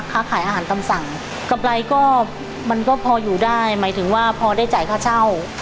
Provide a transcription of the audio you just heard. ค้าขายอาหารตำสั่งกำไรก็มันก็พออยู่ได้หมายถึงว่าพอได้จ่ายค่าเช่า